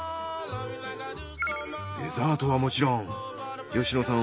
デザートはもちろん吉野さん